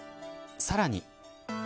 さらに。